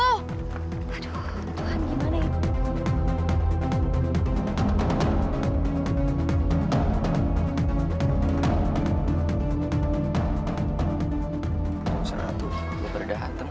aduh tuhan gimana ini